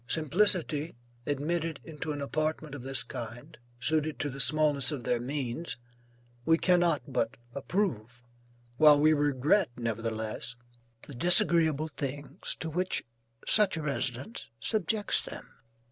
Simplicity, admitted into an apartment of this kind, suited to the smallness of their means, we cannot but approve, while we regret nevertheless, the disagreeable things to which such a residence subjects them.